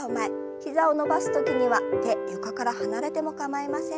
膝を伸ばす時には手床から離れても構いません。